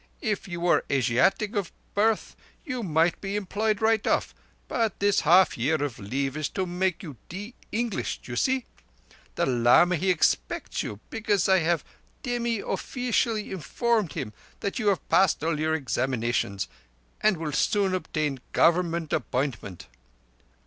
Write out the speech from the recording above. If you were Asiatic of birth you might be employed right off; but this half year of leave is to make you de Englishized, you see? The lama he expects you, because I have demi offeecially informed him you have passed all your examinations, and will soon obtain Government appointment.